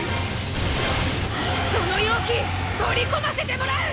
その妖気取り込ませてもらう！